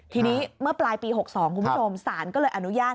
ทีนี้เมื่อปลายปี๖๒คุณผู้ชมศาลก็เลยอนุญาต